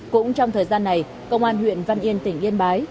cũng trong thời gian này công an huyện văn yên tỉnh yên bái